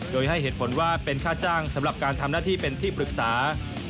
โดยให้เหตุผลว่าเป็นค่าจ้างสำหรับการทำหน้าที่เป็นที่ปรึกษา